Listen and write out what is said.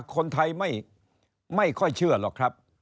คนไทยไม่ค่อยเชื่อหรอกครับ